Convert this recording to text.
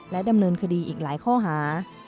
ดำเนินคดีอีกหลายข้อหา